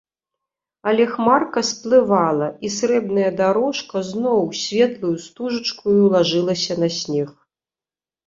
Але хмарка сплывала, і срэбная дарожка зноў светлаю стужачкаю лажылася на снег.